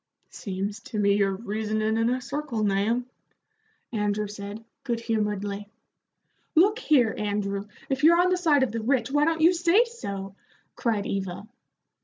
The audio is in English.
"Seems to me you're reasonin' in a circle, Nahum," Andrew said, good humoredly. "Look here, Andrew, if you're on the side of the rich, why don't you say so?" cried Eva.